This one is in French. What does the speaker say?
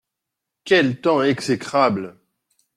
Quel temps exécrable !